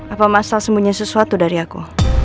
apa masalah sembunyi sesuatu dari aku